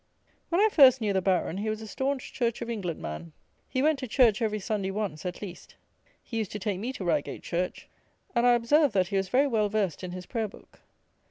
When I first knew the Baron he was a staunch Church of England man. He went to church every Sunday once, at least. He used to take me to Reigate church; and I observed, that he was very well versed in his prayer book.